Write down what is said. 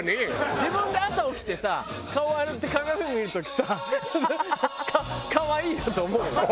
自分で朝起きてさ顔洗って鏡見る時さ可愛いなと思う？